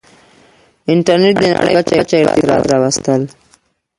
• انټرنېټ د نړۍ په کچه ارتباطات راوستل.